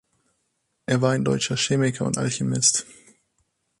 Er war ein deutscher Chemiker und Alchemist.